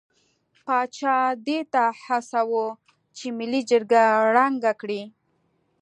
پاچا دې ته هڅاوه چې ملي جرګه ړنګه کړي.